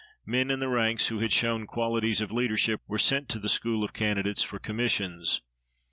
Men in the ranks who had shown qualities of leadership were sent to the school of candidates for commissions.